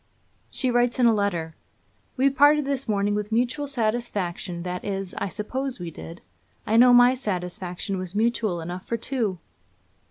She writes in a letter: 'We parted this morning with mutual satisfaction; that is, I suppose we did; I know my satisfaction was mutual enough for two.'